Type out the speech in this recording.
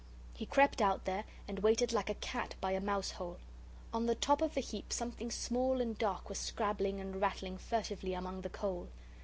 He crept out there, and he waited like a cat by a mousehole. On the top of the heap something small and dark was scrabbling and rattling furtively among the coal.